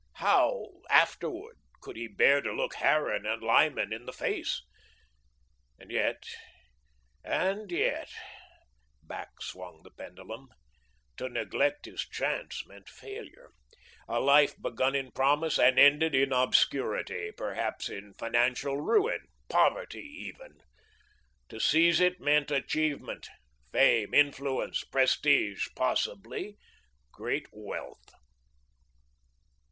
How, afterward, could he bear to look Harran and Lyman in the face? And, yet and, yet back swung the pendulum to neglect his Chance meant failure; a life begun in promise, and ended in obscurity, perhaps in financial ruin, poverty even. To seize it meant achievement, fame, influence, prestige, possibly great wealth.